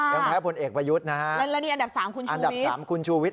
ค่ะแล้วนี่อันดับสามคุณชูวิทอันดับสามคุณชูวิท